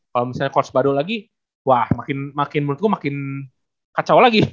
kalau misalnya coach badul lagi wah makin menurutku makin kacau lagi